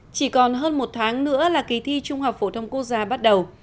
chỉ còn hơn một tháng nữa là kỳ thi trung học phổ thông quốc gia bắt đầu